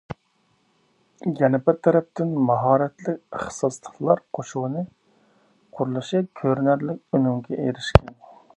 يەنە بىر تەرەپتىن، ماھارەتلىك ئىختىساسلىقلار قوشۇنى قۇرۇلۇشى كۆرۈنەرلىك ئۈنۈمگە ئېرىشكەن.